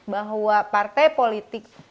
bahwa partai politik